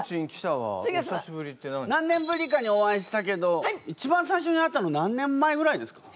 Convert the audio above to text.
何年ぶりかにお会いしたけど一番最初に会ったの何年前ぐらいですか？